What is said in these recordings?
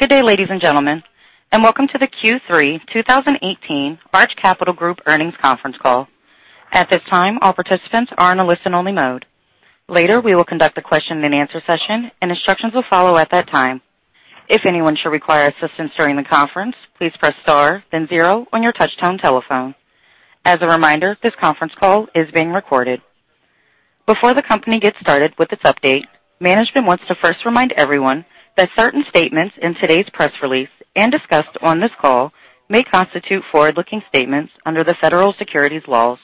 Good day, ladies and gentlemen, and welcome to the Q3 2018 Arch Capital Group Earnings Conference Call. At this time, all participants are in a listen-only mode. Later, we will conduct a question and answer session, and instructions will follow at that time. If anyone should require assistance during the conference, please press star then zero on your touchtone telephone. As a reminder, this conference call is being recorded. Before the company gets started with its update, management wants to first remind everyone that certain statements in today's press release and discussed on this call may constitute forward-looking statements under the Federal Securities Laws.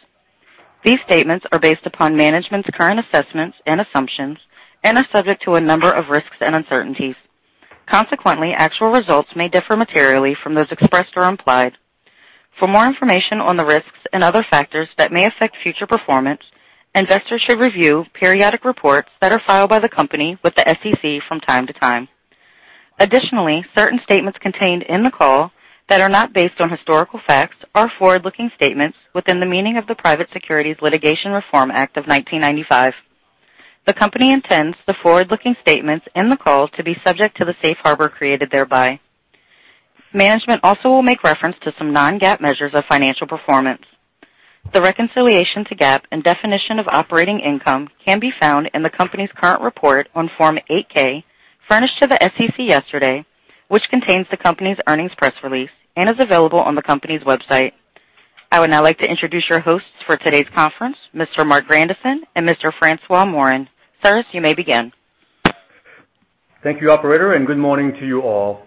These statements are based upon management's current assessments and assumptions and are subject to a number of risks and uncertainties. Consequently, actual results may differ materially from those expressed or implied. For more information on the risks and other factors that may affect future performance, investors should review periodic reports that are filed by the company with the SEC from time to time. Additionally, certain statements contained in the call that are not based on historical facts are forward-looking statements within the meaning of the Private Securities Litigation Reform Act of 1995. The company intends the forward-looking statements in the call to be subject to the safe harbor created thereby. Management also will make reference to some non-GAAP measures of financial performance. The reconciliation to GAAP and definition of operating income can be found in the company's current report on Form 8-K, furnished to the SEC yesterday, which contains the company's earnings press release and is available on the company's website. I would now like to introduce your hosts for today's conference, Mr. Marc Grandisson and Mr. François Morin. Sirs, you may begin. Thank you, operator. Good morning to you all.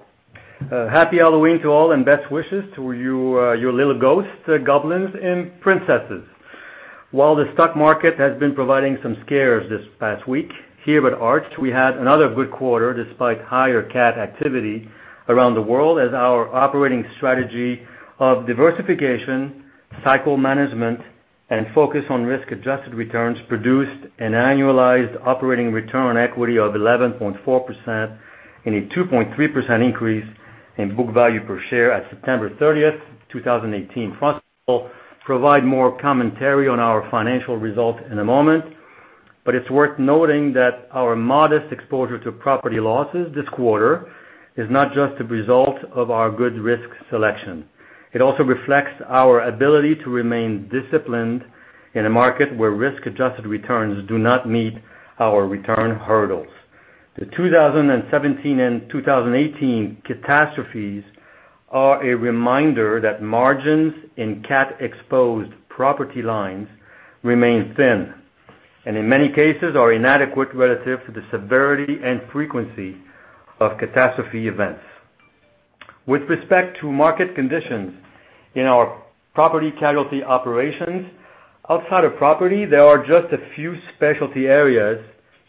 Happy Halloween to all and best wishes to your little ghosts, goblins, and princesses. While the stock market has been providing some scares this past week, here at Arch, we had another good quarter despite higher cat activity around the world as our operating strategy of diversification, cycle management, and focus on risk-adjusted returns produced an annualized operating return on equity of 11.4% and a 2.3% increase in book value per share at September 30th, 2018. Francois will provide more commentary on our financial results in a moment. It's worth noting that our modest exposure to property losses this quarter is not just a result of our good risk selection. It also reflects our ability to remain disciplined in a market where risk-adjusted returns do not meet our return hurdles. The 2017 and 2018 catastrophes are a reminder that margins in cat-exposed property lines remain thin and in many cases are inadequate relative to the severity and frequency of catastrophe events. With respect to market conditions in our property casualty operations, outside of property, there are just a few specialty areas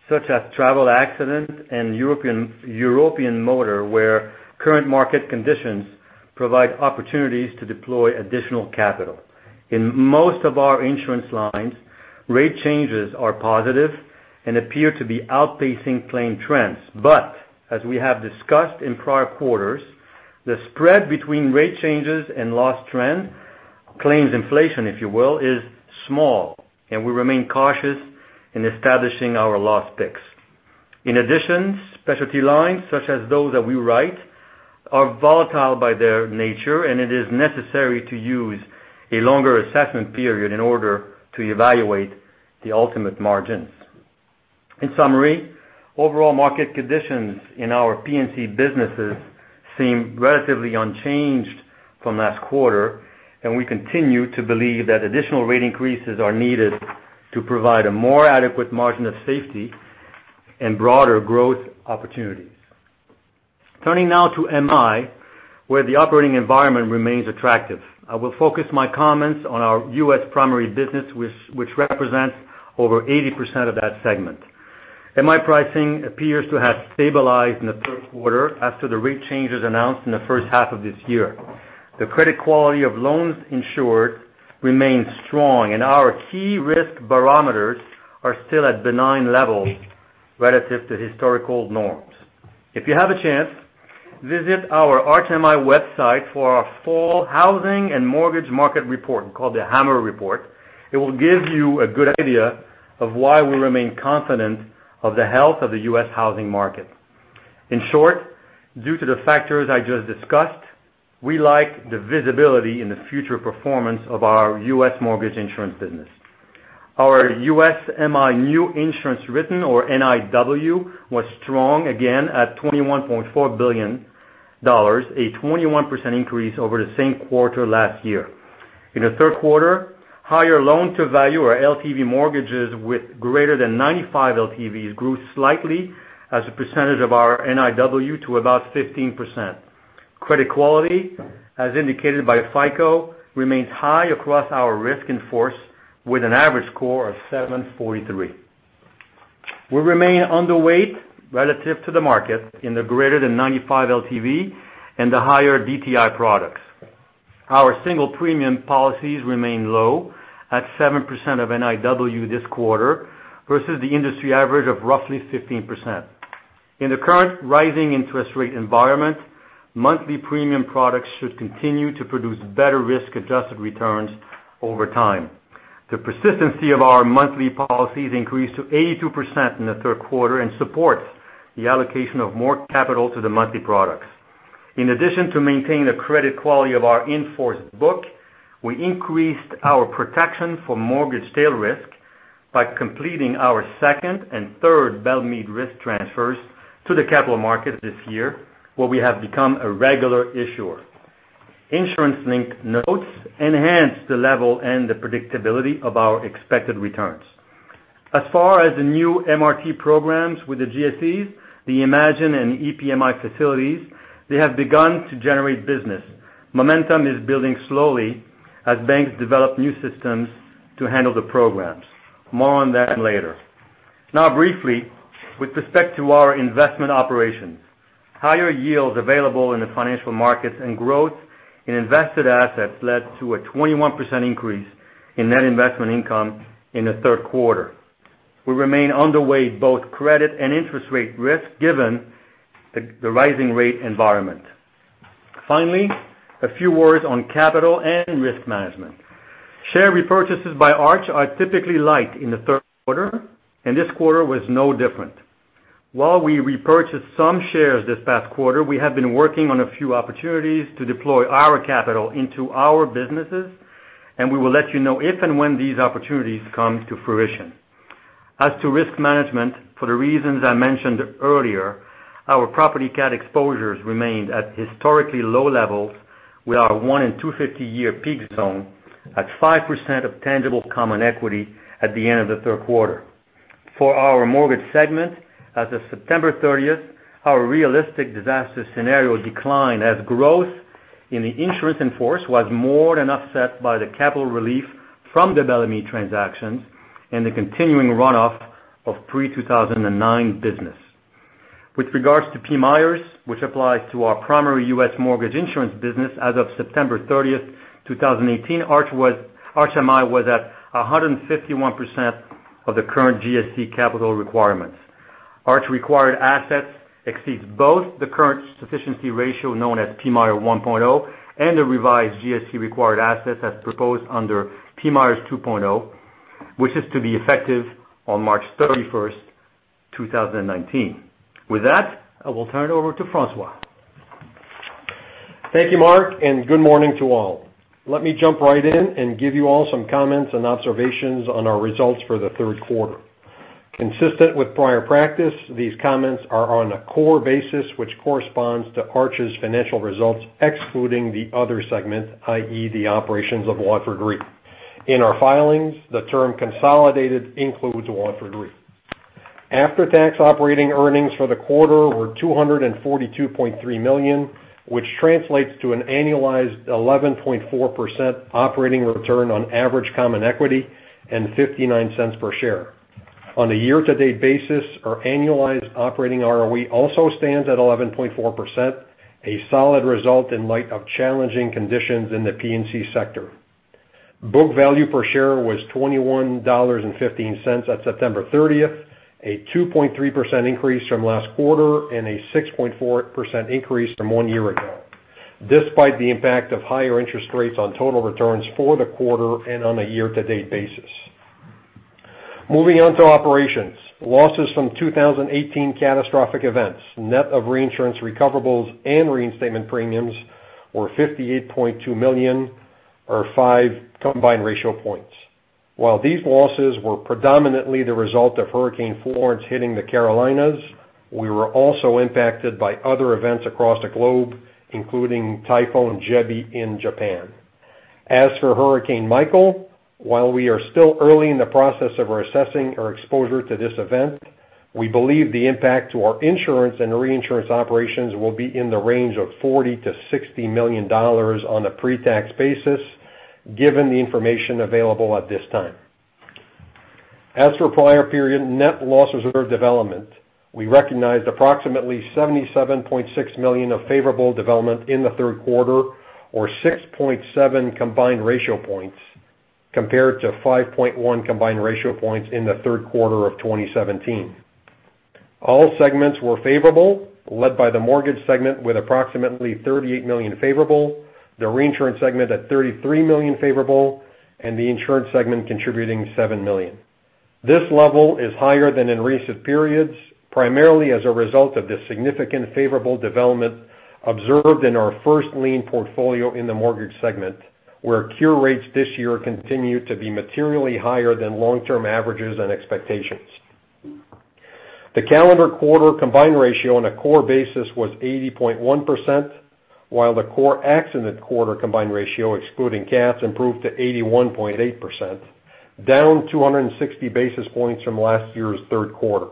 such as travel accident and European motor, where current market conditions provide opportunities to deploy additional capital. In most of our insurance lines, rate changes are positive and appear to be outpacing claim trends. As we have discussed in prior quarters, the spread between rate changes and loss trend, claims inflation if you will, is small, and we remain cautious in establishing our loss picks. In addition, specialty lines such as those that we write are volatile by their nature, and it is necessary to use a longer assessment period in order to evaluate the ultimate margins. In summary, overall market conditions in our P&C businesses seem relatively unchanged from last quarter, and we continue to believe that additional rate increases are needed to provide a more adequate margin of safety and broader growth opportunities. Turning now to MI, where the operating environment remains attractive. I will focus my comments on our U.S. primary business, which represents over 80% of that segment. MI pricing appears to have stabilized in the third quarter after the rate changes announced in the first half of this year. The credit quality of loans insured remains strong, and our key risk barometers are still at benign levels relative to historical norms. If you have a chance, visit our Arch MI website for our full housing and mortgage market report, called the HAMMER report. It will give you a good idea of why we remain confident of the health of the U.S. housing market. In short, due to the factors I just discussed, we like the visibility in the future performance of our U.S. mortgage insurance business. Our U.S. MI new insurance written or NIW was strong again at $21.4 billion, a 21% increase over the same quarter last year. In the third quarter, higher loan to value or LTV mortgages with greater than 95 LTVs grew slightly as a percentage of our NIW to about 15%. Credit quality, as indicated by FICO, remains high across our risk in force with an average score of 743. We remain underweight relative to the market in the greater than 95 LTV and the higher DTI products. Our single premium policies remain low at 7% of NIW this quarter versus the industry average of roughly 15%. In the current rising interest rate environment, monthly premium products should continue to produce better risk-adjusted returns over time. The persistency of our monthly policies increased to 82% in the third quarter and supports the allocation of more capital to the monthly products. In addition to maintaining the credit quality of our in-force book, we increased our protection for mortgage tail risk by completing our second and third Bellemeade risk transfers to the capital market this year, where we have become a regular issuer. Insurance link notes enhance the level and the predictability of our expected returns. As far as the new MRT programs with the GSEs, the IMAGIN and EPMI facilities, they have begun to generate business. Momentum is building slowly as banks develop new systems to handle the programs. More on that later. Now, briefly, with respect to our investment operations, higher yields available in the financial markets and growth in invested assets led to a 21% increase in net investment income in the third quarter. We remain underweight both credit and interest rate risk, given the rising rate environment. Finally, a few words on capital and risk management. Share repurchases by Arch are typically light in the third quarter, and this quarter was no different. While we repurchased some shares this past quarter, we have been working on a few opportunities to deploy our capital into our businesses, and we will let you know if and when these opportunities come to fruition. As to risk management, for the reasons I mentioned earlier, our property cat exposures remained at historically low levels with our one in 250-year peak zone at 5% of tangible common equity at the end of the third quarter. For our mortgage segment, as of September 30th, our realistic disaster scenario declined as growth in the insurance in force was more than offset by the capital relief from the Bellemeade transactions and the continuing runoff of pre-2009 business. With regards to PMIERs, which applies to our primary U.S. mortgage insurance business as of September 30th, 2018, Arch MI was at 151% of the current GSE capital requirements. Arch required assets exceeds both the current sufficiency ratio known as PMIERs 1.0 and the revised GSE required assets as proposed under PMIERs 2.0, which is to be effective on March 31st, 2019. With that, I will turn it over to François. Thank you, Marc, and good morning to all. Let me jump right in and give you all some comments and observations on our results for the third quarter. Consistent with prior practice, these comments are on a core basis which corresponds to Arch's financial results excluding the other segment, i.e., the operations of Watford Re. In our filings, the term consolidated includes Watford Re. After-tax operating earnings for the quarter were $242.3 million, which translates to an annualized 11.4% operating return on average common equity and $0.59 per share. On a year-to-date basis, our annualized operating ROE also stands at 11.4%, a solid result in light of challenging conditions in the P&C sector. Book value per share was $21.15 at September 30th, a 2.3% increase from last quarter and a 6.4% increase from one year ago, despite the impact of higher interest rates on total returns for the quarter and on a year-to-date basis. Moving on to operations. Losses from 2018 catastrophic events, net of reinsurance recoverables and reinstatement premiums were $58.2 million or five combined ratio points. While these losses were predominantly the result of Hurricane Florence hitting the Carolinas, we were also impacted by other events across the globe, including Typhoon Jebi in Japan. As for Hurricane Michael, while we are still early in the process of assessing our exposure to this event, we believe the impact to our insurance and reinsurance operations will be in the range of $40 million-$60 million on a pre-tax basis, given the information available at this time. As for prior period net losses of development, we recognized approximately $77.6 million of favorable development in the third quarter or 6.7 combined ratio points, compared to 5.1 combined ratio points in the third quarter of 2017. All segments were favorable, led by the mortgage segment with approximately $38 million favorable, the reinsurance segment at $33 million favorable, and the insurance segment contributing $7 million. This level is higher than in recent periods, primarily as a result of the significant favorable development observed in our first lien portfolio in the mortgage segment, where cure rates this year continue to be materially higher than long-term averages and expectations. The calendar quarter combined ratio on a core basis was 80.1%, while the core accident quarter combined ratio excluding CATs improved to 81.8%, down 260 basis points from last year's third quarter.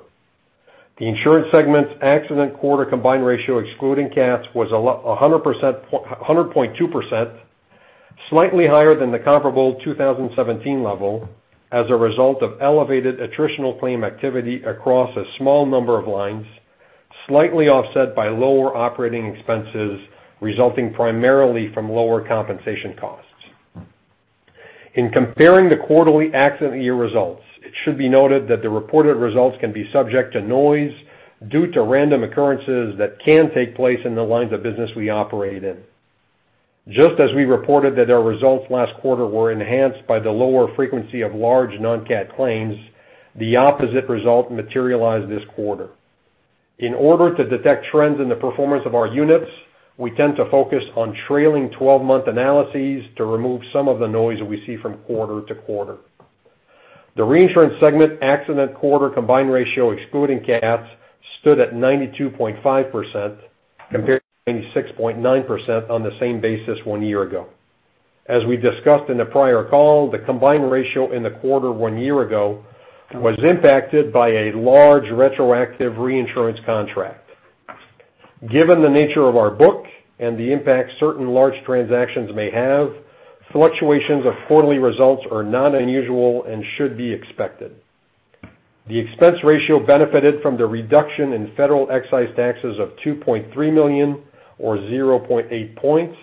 The insurance segment's accident quarter combined ratio excluding CATs was 100.2%, slightly higher than the comparable 2017 level as a result of elevated attritional claim activity across a small number of lines, slightly offset by lower operating expenses resulting primarily from lower compensation costs. In comparing the quarterly accident year results, it should be noted that the reported results can be subject to noise due to random occurrences that can take place in the lines of business we operate in. Just as we reported that our results last quarter were enhanced by the lower frequency of large non-CAT claims, the opposite result materialized this quarter. In order to detect trends in the performance of our units, we tend to focus on trailing 12-month analyses to remove some of the noise that we see from quarter to quarter. The reinsurance segment accident quarter combined ratio, excluding CATs, stood at 92.5%, compared to 96.9% on the same basis one year ago. As we discussed in the prior call, the combined ratio in the quarter one year ago was impacted by a large retroactive reinsurance contract. Given the nature of our book and the impact certain large transactions may have, fluctuations of quarterly results are not unusual and should be expected. The expense ratio benefited from the reduction in federal excise taxes of $2.3 million, or 0.8 points,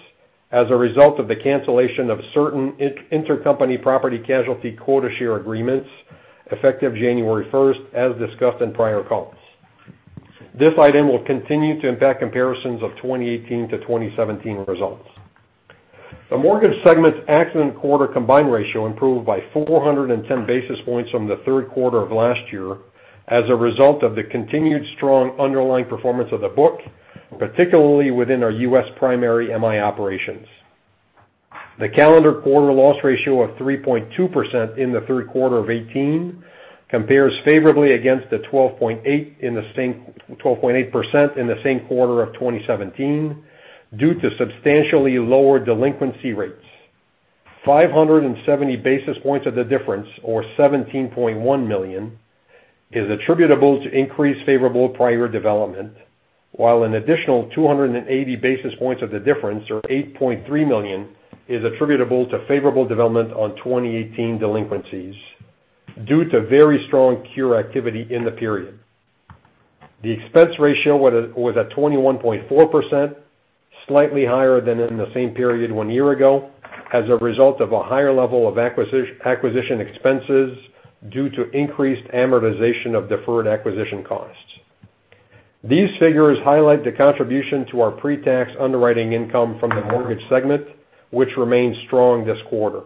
as a result of the cancellation of certain intercompany property casualty quota share agreements effective January 1st, as discussed in prior calls. This item will continue to impact comparisons of 2018 to 2017 results. The mortgage segment's accident quarter combined ratio improved by 410 basis points from the third quarter of last year as a result of the continued strong underlying performance of the book, particularly within our U.S. primary MI operations. The calendar quarter loss ratio of 3.2% in the third quarter of 2018 compares favorably against the 12.8% in the same quarter of 2017 due to substantially lower delinquency rates. 570 basis points of the difference, or $17.1 million, is attributable to increased favorable prior development, while an additional 280 basis points of the difference, or $8.3 million, is attributable to favorable development on 2018 delinquencies due to very strong cure activity in the period. The expense ratio was at 21.4%, slightly higher than in the same period one year ago, as a result of a higher level of acquisition expenses due to increased amortization of deferred acquisition costs. These figures highlight the contribution to our pre-tax underwriting income from the mortgage segment, which remained strong this quarter.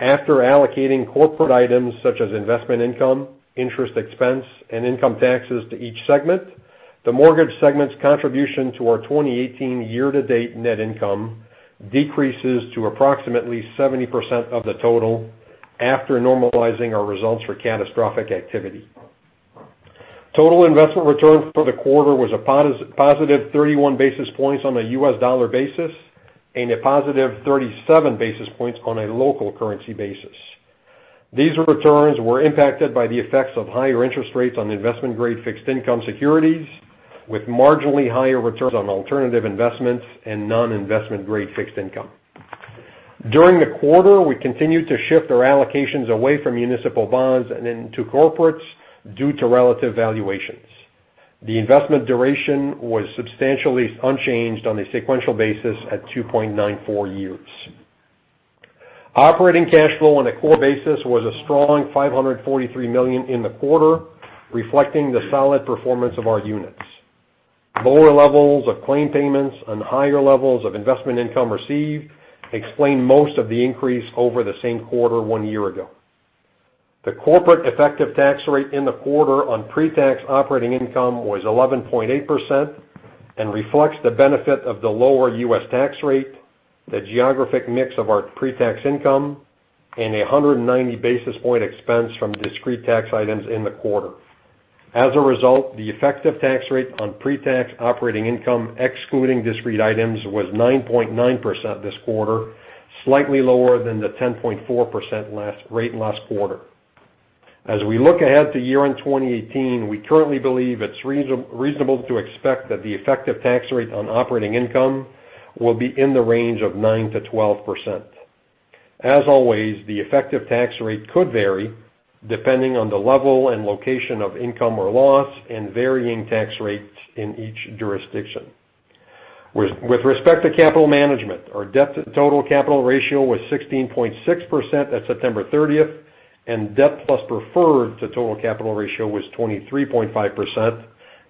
After allocating corporate items such as investment income, interest expense, and income taxes to each segment, the mortgage segment's contribution to our 2018 year-to-date net income decreases to approximately 70% of the total after normalizing our results for catastrophic activity. Total investment return for the quarter was a positive 31 basis points on a U.S. dollar basis and a positive 37 basis points on a local currency basis. These returns were impacted by the effects of higher interest rates on investment-grade fixed income securities, with marginally higher returns on alternative investments and non-investment-grade fixed income. During the quarter, we continued to shift our allocations away from municipal bonds and into corporates due to relative valuations. The investment duration was substantially unchanged on a sequential basis at 2.94 years. Operating cash flow on a core basis was a strong $543 million in the quarter, reflecting the solid performance of our units. Lower levels of claim payments and higher levels of investment income received explain most of the increase over the same quarter one year ago. The corporate effective tax rate in the quarter on pre-tax operating income was 11.8% and reflects the benefit of the lower U.S. tax rate, the geographic mix of our pre-tax income, and 190 basis point expense from discrete tax items in the quarter. As a result, the effective tax rate on pre-tax operating income, excluding discrete items, was 9.9% this quarter, slightly lower than the 10.4% rate last quarter. As we look ahead to year-end 2018, we currently believe it's reasonable to expect that the effective tax rate on operating income will be in the range of 9%-12%. As always, the effective tax rate could vary depending on the level and location of income or loss and varying tax rates in each jurisdiction. With respect to capital management, our debt to total capital ratio was 16.6% at September 30th, and debt plus preferred to total capital ratio was 23.5%,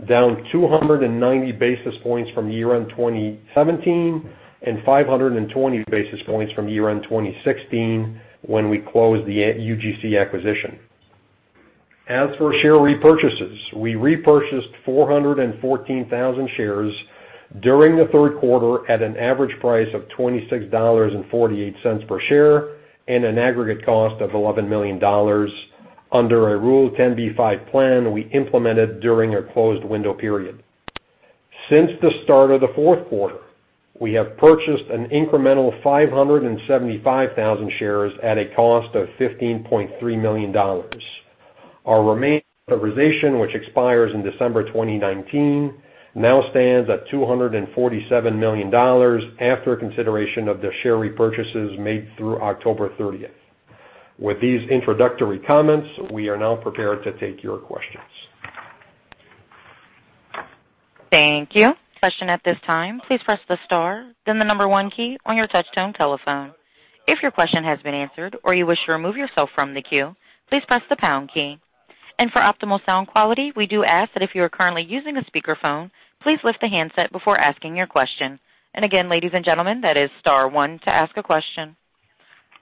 down 290 basis points from year-end 2017 and 520 basis points from year-end 2016, when we closed the UGC acquisition. As for share repurchases, we repurchased 414,000 shares during the third quarter at an average price of $26.48 per share and an aggregate cost of $11 million under a Rule 10b5-1 plan we implemented during a closed window period. Since the start of the fourth quarter, we have purchased an incremental 575,000 shares at a cost of $15.3 million. Our remaining authorization, which expires in December 2019, now stands at $247 million after consideration of the share repurchases made through October 30th. With these introductory comments, we are now prepared to take your questions. Thank you. Question at this time, please press the star, then the number 1 key on your touch-tone telephone. If your question has been answered or you wish to remove yourself from the queue, please press the pound key. For optimal sound quality, we do ask that if you are currently using a speakerphone, please lift the handset before asking your question. Again, ladies and gentlemen, that is star 1 to ask a question.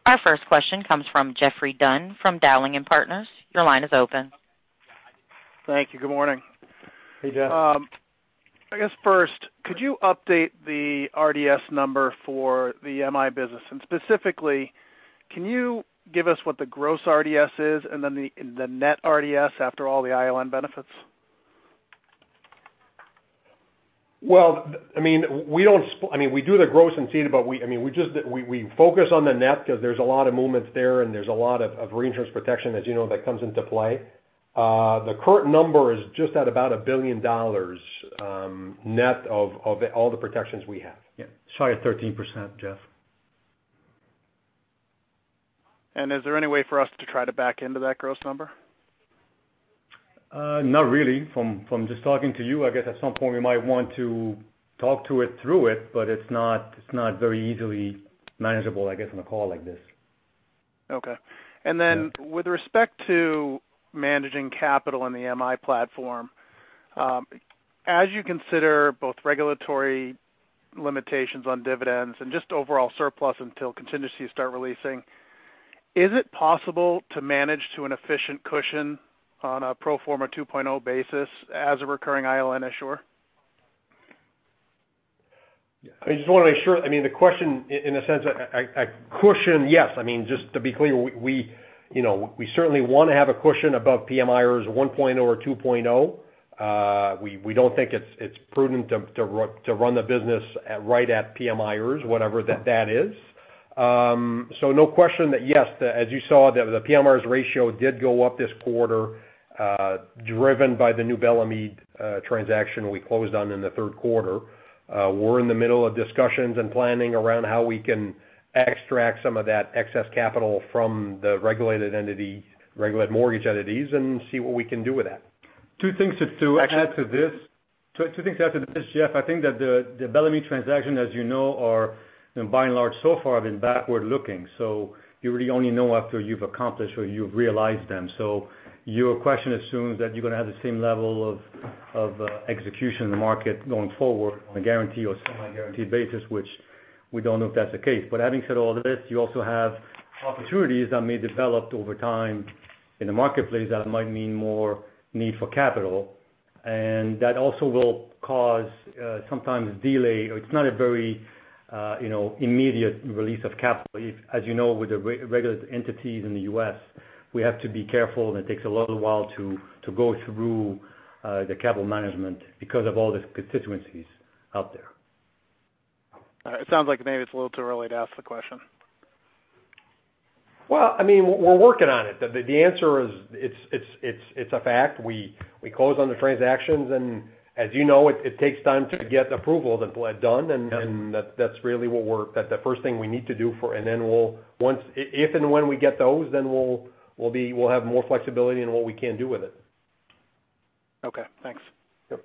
Our first question comes from Geoffrey Dunn from Dowling & Partners. Your line is open. Thank you. Good morning. Hey, Jeff. I guess first, could you update the RDS number for the MI business? Specifically, can you give us what the gross RDS is and then the net RDS after all the ILN benefits? Well, we do the gross and cede, but we focus on the net because there's a lot of movements there, and there's a lot of reinsurance protection, as you know, that comes into play. The current number is just at about $1 billion, net of all the protections we have. Yeah. It's higher 13%, Geoff. Is there any way for us to try to back into that gross number? Not really. From just talking to you, I guess at some point we might want to talk to it through it, but it's not very easily manageable, I guess, on a call like this. Okay. With respect to managing capital in the MI platform, as you consider both regulatory limitations on dividends and just overall surplus until contingencies start releasing, is it possible to manage to an efficient cushion on a pro forma 2.0 basis as a recurring ILN issuer? I just want to make sure. The question, in a sense, a cushion, yes. Just to be clear, we certainly want to have a cushion above PMIERs 1.0 or 2.0. We don't think it's prudent to run the business right at PMIERs, whatever that is. No question that yes, as you saw, the PMIERs ratio did go up this quarter, driven by the new Bellemeade transaction we closed on in the third quarter. We're in the middle of discussions and planning around how we can extract some of that excess capital from the regulated mortgage entities and see what we can do with that. Two things to add to this, Jeff. I think that the Bellemeade transaction, as you know, are by and large so far have been backward-looking. You really only know after you've accomplished or you've realized them. Your question assumes that you're going to have the same level of execution in the market going forward on a guaranteed or semi-guaranteed basis, which we don't know if that's the case. Having said all this, you also have opportunities that may develop over time in the marketplace that might mean more need for capital, and that also will cause sometimes delay or it's not a very immediate release of capital. As you know, with the regulated entities in the U.S., we have to be careful, and it takes a little while to go through the capital management because of all the constituencies out there. It sounds like maybe it's a little too early to ask the question. Well, we're working on it. The answer is, it's a fact. We close on the transactions, as you know, it takes time to get approvals done, that's really the first thing we need to do. If and when we get those, we'll have more flexibility in what we can do with it. Okay, thanks. Yep.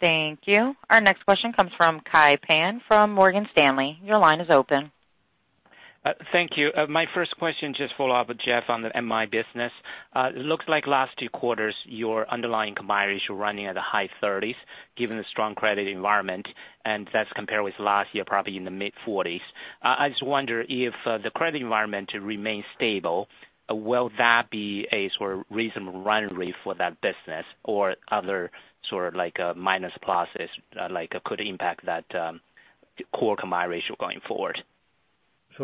Thank you. Our next question comes from Kai Pan from Morgan Stanley. Your line is open. Thank you. My first question, just follow up with Geoffrey on the MI business. It looks like last two quarters, your underlying combined ratio running at the high 30s, given the strong credit environment, that's compared with last year, probably in the mid-40s. I just wonder if the credit environment remains stable, will that be a sort of reasonable run rate for that business? Other sort of like minus pluses could impact that core combined ratio going forward?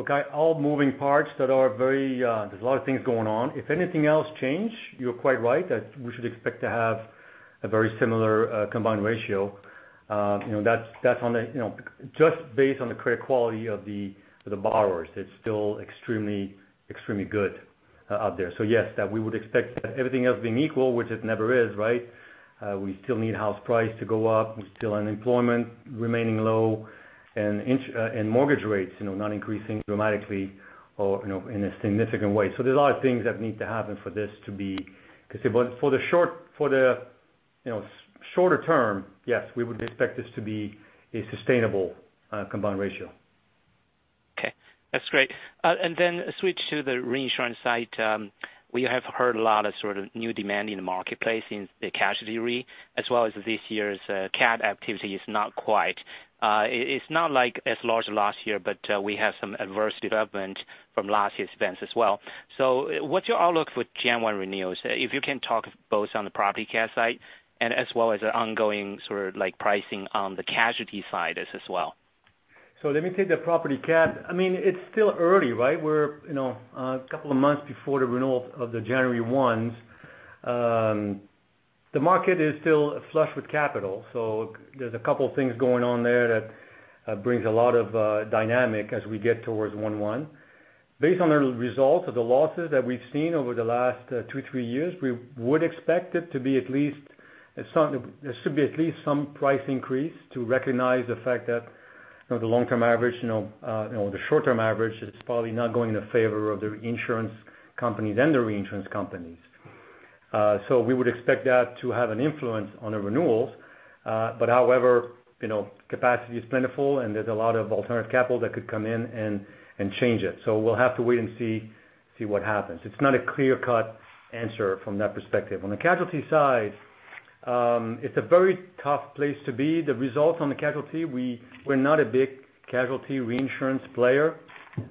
Kai, all moving parts that are there's a lot of things going on. If anything else change, you're quite right that we should expect to have a very similar combined ratio. That's just based on the credit quality of the borrowers. It's still extremely good out there. Yes, that we would expect that everything else being equal, which it never is, right? We still need house price to go up. We still unemployment remaining low and mortgage rates not increasing dramatically or in a significant way. There's a lot of things that need to happen for this to be conceivable. For the shorter term, yes, we would expect this to be a sustainable combined ratio. Okay, that's great. Then switch to the reinsurance side. We have heard a lot of sort of new demand in the marketplace in the casualty re-, as well as this year's CAT activity is not quite. It's not like as large as last year, but we have some adverse development from last year's events as well. What's your outlook for January 1 renewals? If you can talk both on the property CAT side and as well as the ongoing sort of like pricing on the casualty side as well. Let me take the property CAT. It's still early, right? We're a couple of months before the renewal of the January 1s. The market is still flush with capital, there's a couple of things going on there that brings a lot of dynamic as we get towards January 1. Based on the results of the losses that we've seen over the last two, three years, we would expect there should be at least some price increase to recognize the fact that the long-term average, the short-term average is probably not going in favor of the insurance companies and the reinsurance companies. We would expect that to have an influence on the renewals. However, capacity is plentiful, and there's a lot of alternative capital that could come in and change it. We'll have to wait and see what happens. It's not a clear-cut answer from that perspective. On the casualty side, it's a very tough place to be. The results on the casualty, we're not a big casualty reinsurance player.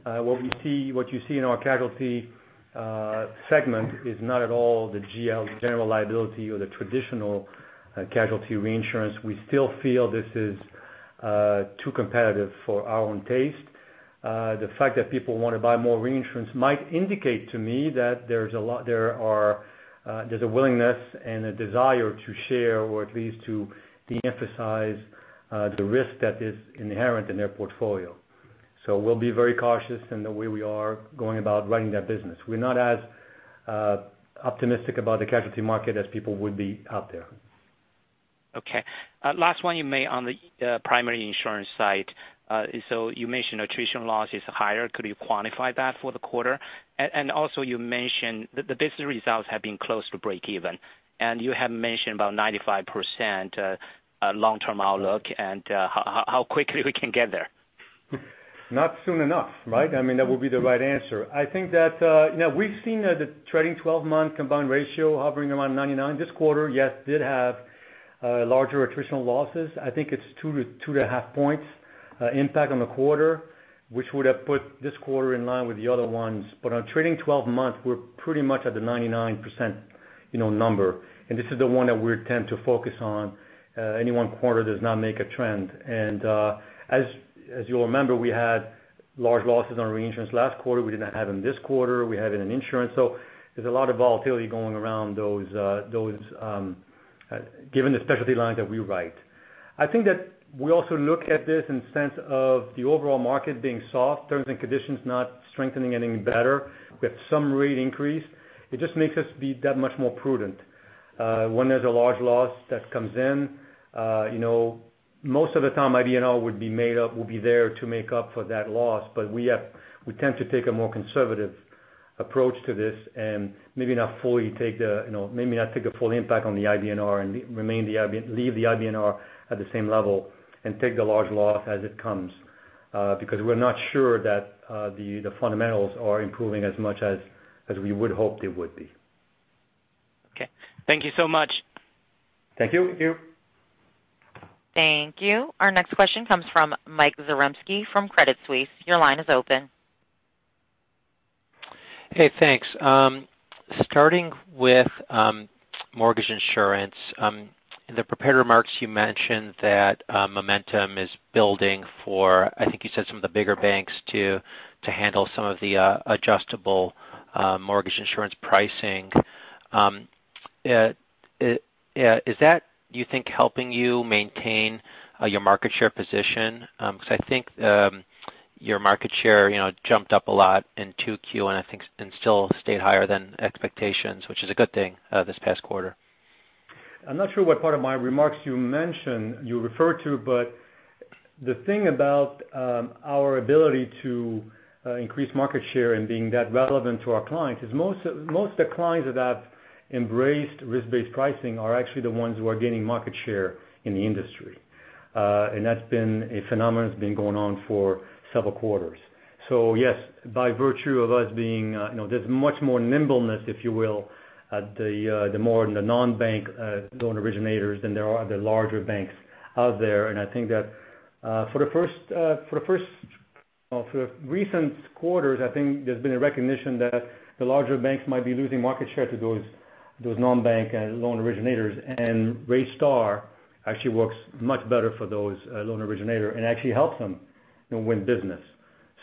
What you see in our casualty segment is not at all the GL, general liability or the traditional casualty reinsurance. We still feel this is too competitive for our own taste. The fact that people want to buy more reinsurance might indicate to me that there's a willingness and a desire to share or at least to de-emphasize the risk that is inherent in their portfolio. We'll be very cautious in the way we are going about running that business. We're not as optimistic about the casualty market as people would be out there. Okay. Last one you may on the primary insurance side. You mentioned attrition loss is higher. Could you quantify that for the quarter? Also you mentioned the business results have been close to breakeven, and you have mentioned about 95% long-term outlook and how quickly we can get there. Not soon enough, right? That would be the right answer. I think that we've seen the trailing 12-month combined ratio hovering around 99% this quarter, yes, did have larger attritional losses. I think it's 2 to 2.5 points impact on the quarter, which would have put this quarter in line with the other ones. On trailing 12 months, we're pretty much at the 99%. This is the one that we tend to focus on. Any one quarter does not make a trend. As you'll remember, we had large losses on reinsurance last quarter. We did not have them this quarter. We had it in insurance. There's a lot of volatility going around those, given the specialty lines that we write. I think that we also look at this in sense of the overall market being soft, terms and conditions not strengthening any better. We have some rate increase. It just makes us be that much more prudent. When there's a large loss that comes in, most of the time IBNR would be there to make up for that loss. We tend to take a more conservative approach to this and maybe not take a full impact on the IBNR and leave the IBNR at the same level and take the large loss as it comes, because we're not sure that the fundamentals are improving as much as we would hope they would be. Okay. Thank you so much. Thank you. Thank you. Our next question comes from Michael Zaremski from Credit Suisse. Your line is open. Thanks. Starting with mortgage insurance. In the prepared remarks you mentioned that momentum is building for, I think you said some of the bigger banks to handle some of the adjustable mortgage insurance pricing. Is that, you think, helping you maintain your market share position? Because I think your market share jumped up a lot in 2Q, and still stayed higher than expectations, which is a good thing this past quarter. I'm not sure what part of my remarks you referred to, the thing about our ability to increase market share and being that relevant to our clients is most of the clients that have embraced risk-based pricing are actually the ones who are gaining market share in the industry. That's been a phenomenon that's been going on for several quarters. Yes, by virtue of us being, there's much more nimbleness, if you will, at the more the non-bank loan originators than there are the larger banks out there. I think that for the recent quarters, I think there's been a recognition that the larger banks might be losing market share to those non-bank loan originators. RateStar actually works much better for those loan originator and actually helps them win business.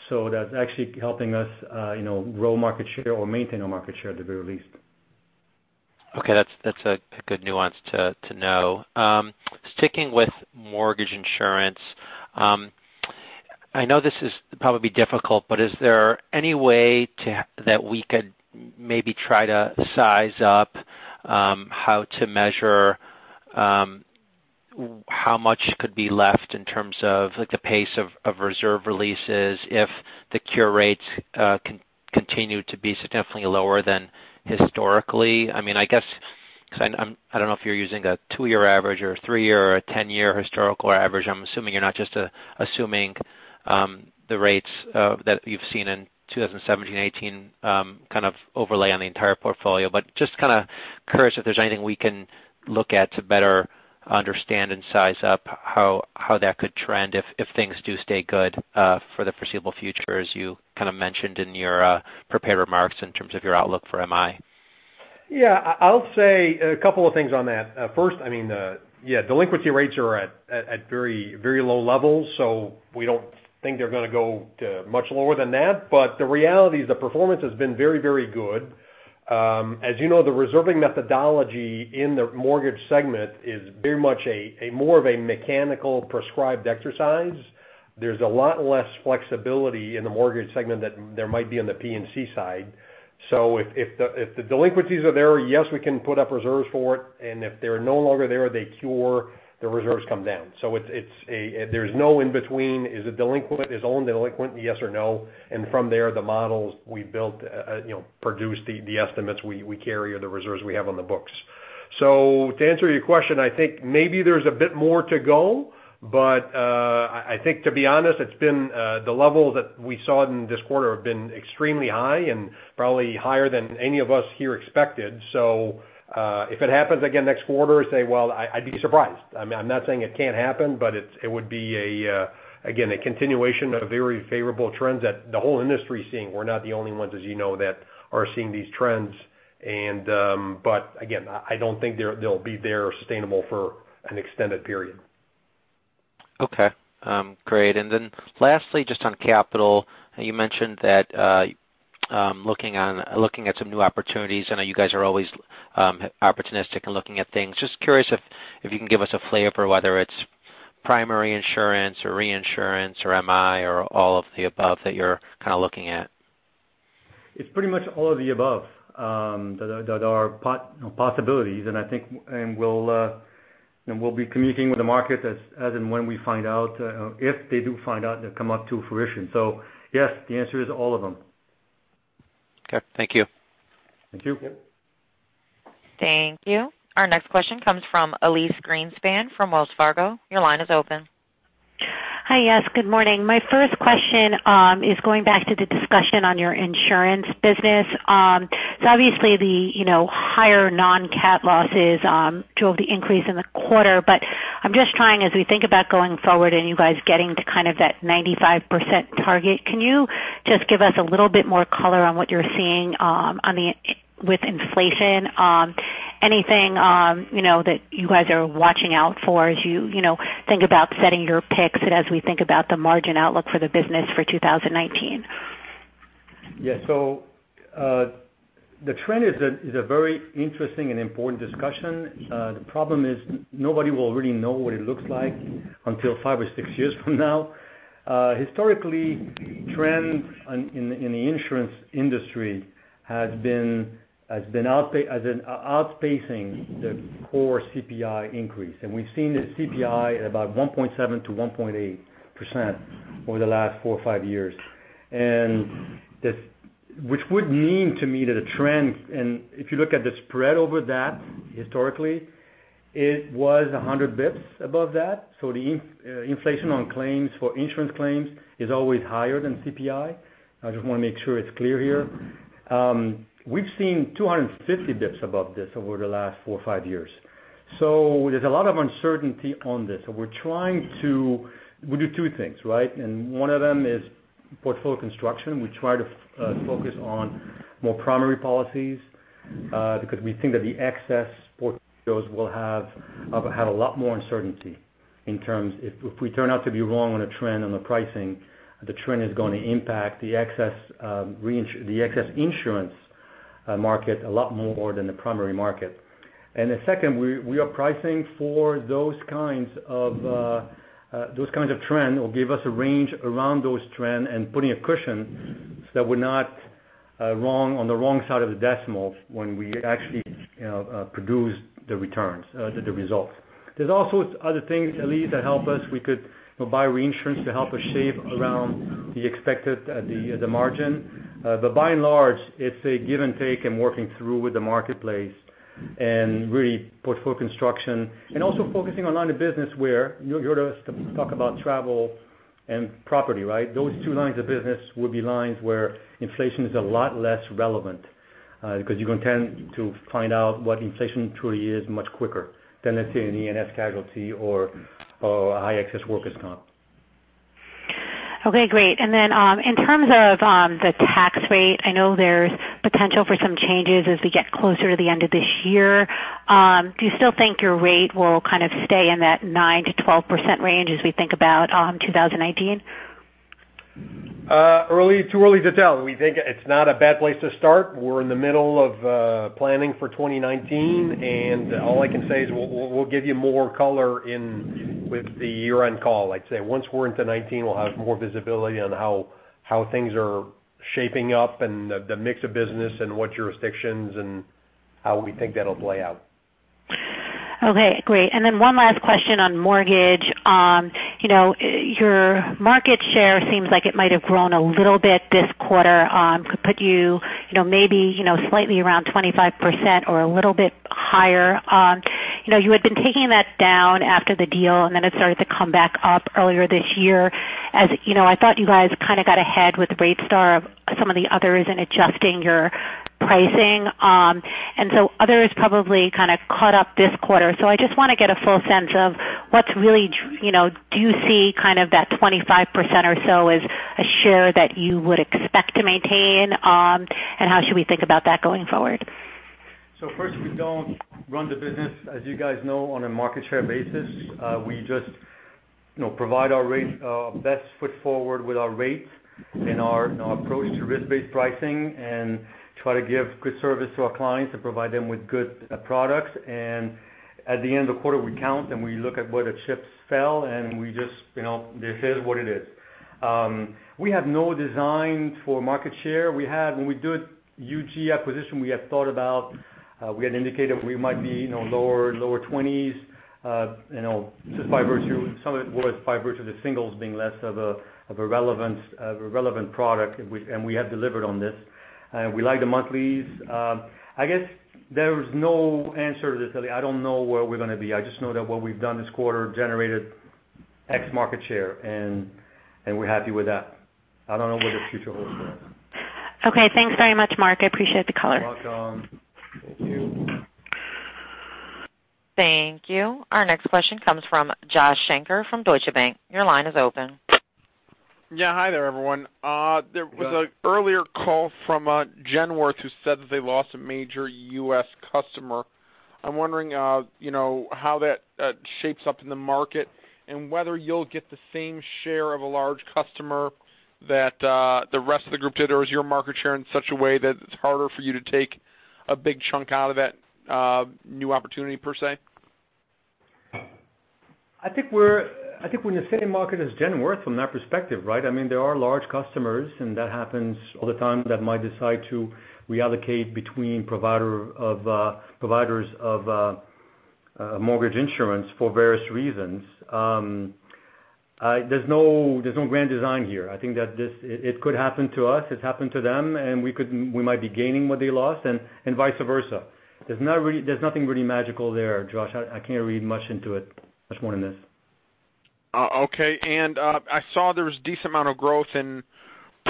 That's actually helping us grow market share or maintain our market share at the very least. Okay. That's a good nuance to know. Sticking with mortgage insurance. I know this is probably difficult, but is there any way that we could maybe try to size up how to measure how much could be left in terms of the pace of reserve releases if the cure rates continue to be significantly lower than historically? I guess, because I don't know if you're using a two-year average or a three-year or a 10-year historical average. I'm assuming you're not just assuming the rates that you've seen in 2017 and '18 overlay on the entire portfolio. Just curious if there's anything we can look at to better understand and size up how that could trend if things do stay good for the foreseeable future, as you mentioned in your prepared remarks in terms of your outlook for MI. Yeah, I'll say a couple of things on that. First, yeah, delinquency rates are at very low levels, we don't think they're going to go much lower than that. The reality is the performance has been very, very good. As you know, the reserving methodology in the mortgage segment is very much a more of a mechanical prescribed exercise. There's a lot less flexibility in the mortgage segment that there might be on the P&C side. If the delinquencies are there, yes, we can put up reserves for it, and if they're no longer there, they cure, the reserves come down. There's no in-between. Is it delinquent? Is all delinquent? Yes or no? From there, the models we built produce the estimates we carry or the reserves we have on the books. To answer your question, I think maybe there's a bit more to go. I think to be honest, the level that we saw in this quarter has been extremely high and probably higher than any of us here expected. If it happens again next quarter, say, well, I'd be surprised. I'm not saying it can't happen, it would be, again, a continuation of very favorable trends that the whole industry is seeing. We're not the only ones, as you know, that are seeing these trends. Again, I don't think they'll be there sustainable for an extended period. Okay. Great. Lastly, just on capital, you mentioned that looking at some new opportunities, I know you guys are always opportunistic in looking at things. Just curious if you can give us a flavor, whether it's primary insurance or reinsurance or MI or all of the above that you're kind of looking at. It's pretty much all of the above that are possibilities. We'll be communicating with the market as and when we find out, if they do find out they've come up to fruition. Yes, the answer is all of them. Okay, thank you. Thank you. Yep. Thank you. Our next question comes from Elyse Greenspan from Wells Fargo. Your line is open. Hi, yes, good morning. My first question is going back to the discussion on your insurance business. Obviously the higher non-cat losses drove the increase in the quarter. I'm just trying, as we think about going forward and you guys getting to kind of that 95% target, can you just give us a little bit more color on what you're seeing with inflation? Anything that you guys are watching out for as you think about setting your picks and as we think about the margin outlook for the business for 2019? The trend is a very interesting and important discussion. The problem is nobody will really know what it looks like until 5 or 6 years from now. Historically, trends in the insurance industry has been outspacing the core CPI increase, and we've seen the CPI at about 1.7%-1.8% over the last four or five years. Which would mean to me that a trend, and if you look at the spread over that historically, it was 100 basis points above that. The inflation on claims for insurance claims is always higher than CPI. I just want to make sure it's clear here. We've seen 250 basis points above this over the last four or five years. There's a lot of uncertainty on this. We're trying to do two things, right? One of them is portfolio construction. We try to focus on more primary policies because we think that the excess portfolios will have a lot more uncertainty in terms if we turn out to be wrong on a trend on the pricing, the trend is going to impact the excess insurance market a lot more than the primary market. The second, we are pricing for those kinds of trend, or give us a range around those trend and putting a cushion so that we're not on the wrong side of the decimal when we actually produce the returns, the results. There's all sorts of other things, Elyse, that help us. We could buy reinsurance to help us shave around the expected at the margin. By and large, it's a give and take and working through with the marketplace and really portfolio construction and also focusing on line of business where you heard us talk about travel and property, right? Those two lines of business would be lines where inflation is a lot less relevant because you're going to tend to find out what inflation truly is much quicker than, let's say, in E&S casualty or high excess workers' comp. Okay, great. In terms of the tax rate, I know there's potential for some changes as we get closer to the end of this year. Do you still think your rate will kind of stay in that 9%-12% range as we think about 2019? Too early to tell. We think it's not a bad place to start. We're in the middle of planning for 2019, all I can say is we'll give you more color with the year-end call. I'd say once we're into 2019, we'll have more visibility on how things are shaping up and the mix of business and what jurisdictions and how we think that'll play out. Okay, great. One last question on mortgage. Your market share seems like it might have grown a little bit this quarter, could put you maybe slightly around 25% or a little bit higher. You had been taking that down after the deal, it started to come back up earlier this year. As you know, I thought you guys kind of got ahead with RateStar of some of the others in adjusting your pricing. Others probably kind of caught up this quarter. I just want to get a full sense of, do you see kind of that 25% or so as a share that you would expect to maintain? How should we think about that going forward? First, we don't run the business, as you guys know, on a market share basis. We just provide our best foot forward with our rates and our approach to risk-based pricing and try to give good service to our clients and provide them with good products. At the end of the quarter, we count and we look at where the chips fell, and it is what it is. We have no design for market share. When we do UG acquisition, we had indicated we might be lower 20s, just by virtue, some of it was by virtue of the singles being less of a relevant product, and we have delivered on this. We like the monthlies. I guess there's no answer to this, Elyse. I don't know where we're going to be. I just know that what we've done this quarter generated X market share, and we're happy with that. I don't know what the future holds there. Okay. Thanks very much, Marc. I appreciate the color. You're welcome. Thank you. Thank you. Our next question comes from Joshua Shanker from Deutsche Bank. Your line is open. Yeah. Hi there, everyone. Good. There was an earlier call from Genworth who said that they lost a major U.S. customer. I'm wondering how that shapes up in the market and whether you'll get the same share of a large customer that the rest of the group did, or is your market share in such a way that it's harder for you to take a big chunk out of that new opportunity, per se? I think we're in the same market as Genworth from that perspective, right? That happens all the time, that might decide to reallocate between providers of mortgage insurance for various reasons. There's no grand design here. I think that it could happen to us. It's happened to them, we might be gaining what they lost, vice versa. There's nothing really magical there, Josh. I can't read much into it, much more in this. Okay. I saw there was decent amount of growth in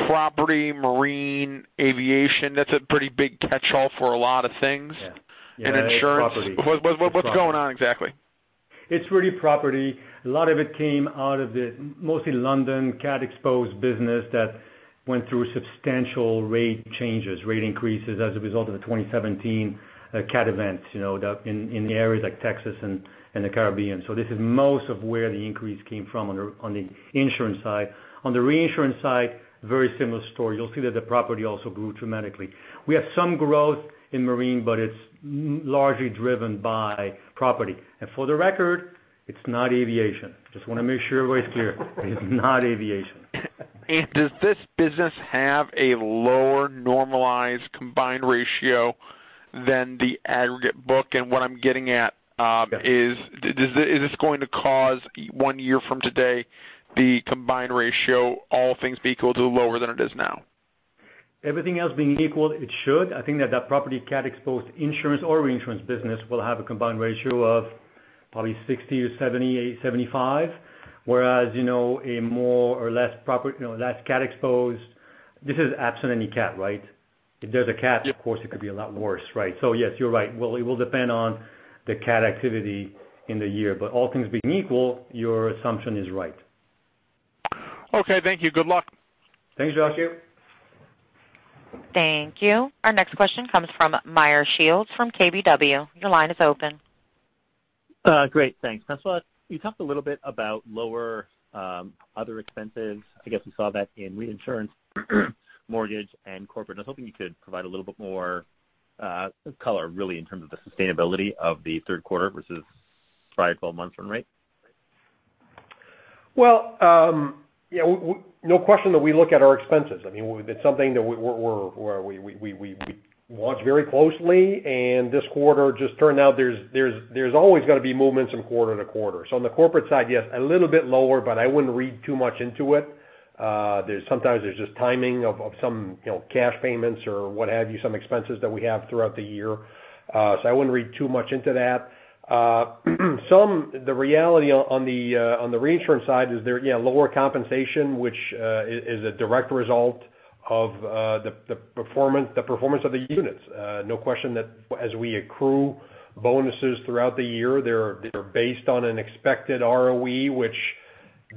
property, marine, aviation. That's a pretty big catchall for a lot of things. Yeah. Insurance. What's going on exactly? It's really property. A lot of it came out of the mostly London cat exposed business that went through substantial rate changes, rate increases as a result of the 2017 cat event in the areas like Texas and the Caribbean. This is most of where the increase came from on the insurance side. On the reinsurance side, very similar story. You'll see that the property also grew dramatically. We have some growth in marine, but it's largely driven by property. For the record, it's not aviation. Just want to make sure everybody's clear. It's not aviation. Does this business have a lower normalized combined ratio than the aggregate book? What I'm getting at is this going to cause one year from today, the combined ratio, all things being equal, to lower than it is now? Everything else being equal, it should. I think that that property cat exposed insurance or reinsurance business will have a combined ratio of probably 60 or 70, 75, whereas a more or less cat exposed, this is absolutely cat, right? If there's a cat Yep Of course, it could be a lot worse, right? Yes, you're right. Well, it will depend on the cat activity in the year, but all things being equal, your assumption is right. Okay, thank you. Good luck. Thanks, Josh. Thank you. Our next question comes from Meyer Shields from KBW. Your line is open. Great. Thanks. François, you talked a little bit about lower other expenses. I guess we saw that in reinsurance, mortgage, and corporate. I was hoping you could provide a little bit more color, really, in terms of the sustainability of the third quarter versus prior 12 months run rate. No question that we look at our expenses. It's something that we watch very closely, this quarter just turned out there's always going to be movements from quarter to quarter. On the corporate side, yes, a little bit lower, I wouldn't read too much into it. There's sometimes just timing of some cash payments or what have you, some expenses that we have throughout the year. I wouldn't read too much into that. The reality on the reinsurance side is there, yeah, lower compensation, which is a direct result of the performance of the units. No question that as we accrue bonuses throughout the year, they're based on an expected ROE, which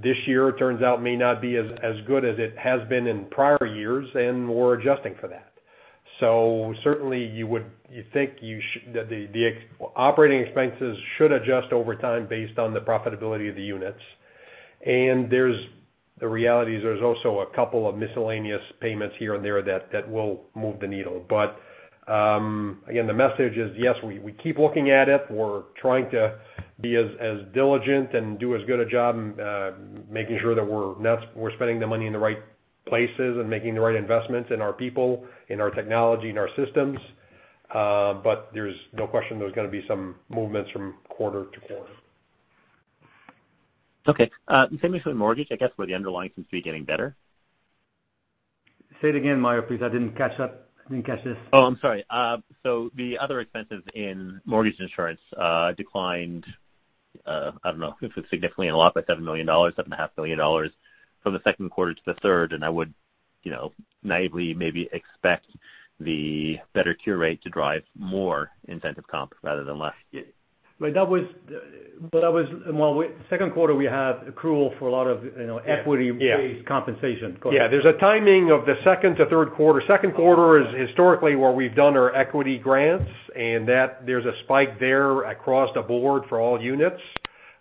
this year turns out may not be as good as it has been in prior years, we're adjusting for that. Certainly, you think that the operating expenses should adjust over time based on the profitability of the units. The reality is there's also a couple of miscellaneous payments here and there that will move the needle. Again, the message is, yes, we keep looking at it. We're trying to be as diligent and do as good a job making sure that we're spending the money in the right places and making the right investments in our people, in our technology, in our systems. There's no question there's going to be some movements from quarter to quarter. Okay. Same with mortgage, I guess, where the underlying seems to be getting better. Say it again, Meyer, please. I didn't catch this. I'm sorry. The other expenses in mortgage insurance declined, I don't know if it's significantly, a lot by $7 million, $7.5 million from the second quarter to the third, and I would naively maybe expect the better cure rate to drive more incentive comp rather than less. That was, second quarter, we have accrual for a lot of. Yeah based compensation. Go ahead. Yeah. There's a timing of the second to third quarter. Second quarter is historically where we've done our equity grants, and that there's a spike there across the board for all units.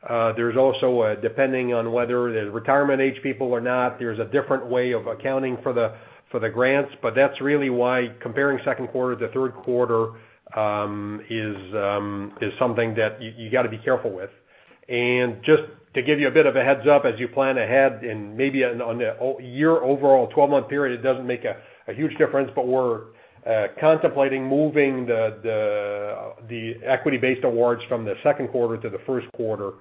There's also a depending on whether they're retirement age people or not, there's a different way of accounting for the grants, but that's really why comparing second quarter to third quarter is something that you got to be careful with. Just to give you a bit of a heads up as you plan ahead and maybe on the year overall 12-month period, it doesn't make a huge difference, but we're contemplating moving the equity-based awards from the second quarter to the first quarter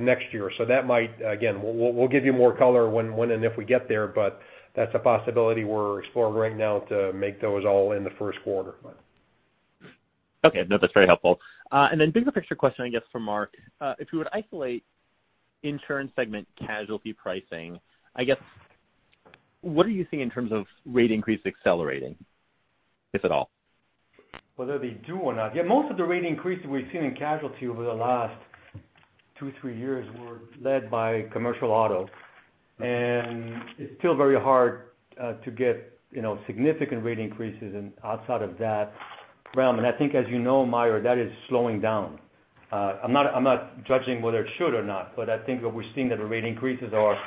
next year. That might, again, we'll give you more color when and if we get there, but that's a possibility we're exploring right now to make those all in the first quarter. Okay. No, that's very helpful. Then bigger picture question, I guess, for Marc. If you were to isolate insurance segment casualty pricing, I guess, what are you seeing in terms of rate increase accelerating, if at all? Whether they do or not, yeah, most of the rate increases we've seen in casualty over the last two, three years were led by commercial auto. It's still very hard to get significant rate increases outside of that realm. I think, as you know, Meyer, that is slowing down. I'm not judging whether it should or not, but I think what we're seeing that the rate increases are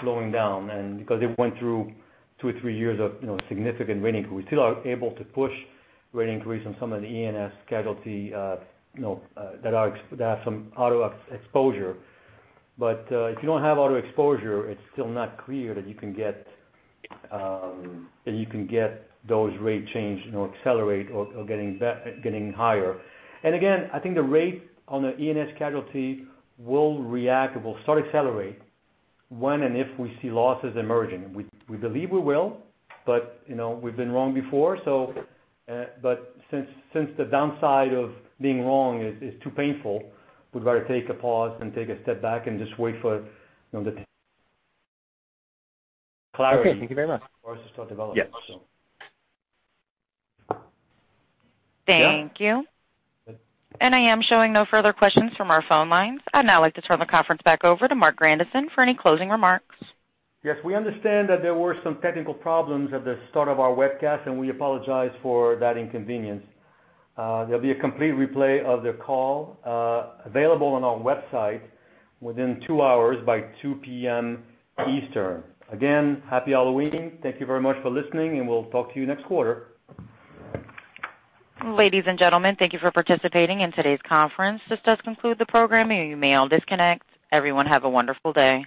slowing down. Because it went through two or three years of significant rate increase, we still are able to push rate increase on some of the E&S casualty that have some auto exposure. But if you don't have auto exposure, it's still not clear that you can get those rate change accelerate or getting higher. Again, I think the rate on the E&S casualty will react or will start to accelerate when and if we see losses emerging. We believe we will, but we've been wrong before. Since the downside of being wrong is too painful, we'd rather take a pause and take a step back and just wait for the clarity. Okay, thank you very much. for us to start developing. Yes. Thank you. I am showing no further questions from our phone lines. I'd now like to turn the conference back over to Marc Grandisson for any closing remarks. Yes, we understand that there were some technical problems at the start of our webcast, and we apologize for that inconvenience. There'll be a complete replay of the call available on our website within two hours by 2:00 P.M. Eastern. Again, Happy Halloween. Thank you very much for listening, and we'll talk to you next quarter. Ladies and gentlemen, thank you for participating in today's conference. This does conclude the program, and you may all disconnect. Everyone, have a wonderful day.